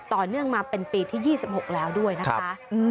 ต่อเนื่องมาเป็นปีที่๒๖แล้วด้วยนะคะ